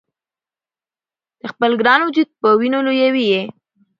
د خپل ګران وجود په وینو لویوي یې